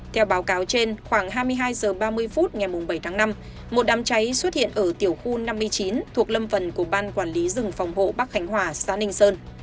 theo báo cáo trên khoảng hai mươi hai h ba mươi phút ngày bảy tháng năm một đám cháy xuất hiện ở tiểu khu năm mươi chín thuộc lâm phần của ban quản lý rừng phòng hộ bắc khánh hòa xã ninh sơn